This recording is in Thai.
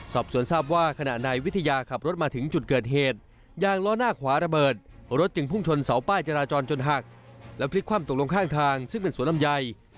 สอบสวนทราบว่าขณะนายวิทยาขับรถมาถึงจุดเกิดเหตุยางล้อหน้าขวาระเบิดรถจึงพุ่งชนเสาป้ายจราจรจนหักแล้วพลิกคว่ำตกลงข้างทางซึ่งเป็นสวนลำไย